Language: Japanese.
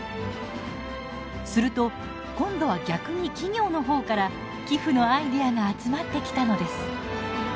すると今度は逆に企業の方から寄付のアイデアが集まってきたのです。